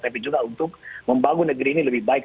tapi juga untuk membangun negeri ini lebih baik